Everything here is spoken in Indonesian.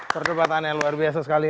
perdebatannya luar biasa sekali